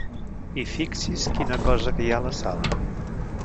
I fixi's quina cosa que hi ha a la sala!